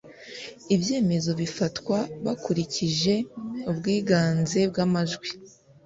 ibyemezo bifatwa bakurikije ubwiganze bw'amajwi